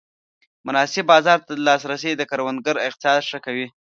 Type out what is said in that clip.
مناسب بازار ته لاسرسی د کروندګر اقتصاد ښه کوي.